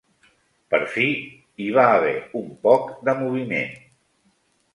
Per fi, hi va haver un poc de moviment